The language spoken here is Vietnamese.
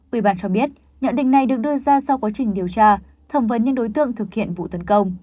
ủy ban cho biết nhận định này được đưa ra sau quá trình điều tra thẩm vấn những đối tượng thực hiện vụ tấn công